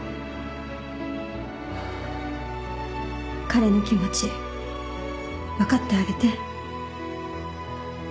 彼の気持ち分かってあげて。